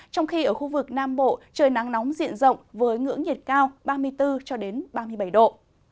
trong khi ở khu vực nam bộ trời nắng nóng diện rộng với ngưỡng nhiệt cao ba mươi bốn ba mươi bảy độ